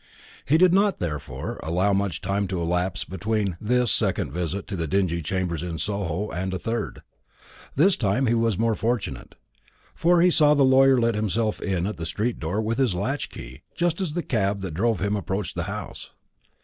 He did not, therefore, allow much time to elapse between this second visit to the dingy chambers in Soho and a third. This time he was more fortunate; for he saw the lawyer let himself in at the street door with his latch key, just as the cab that drove him approached the house.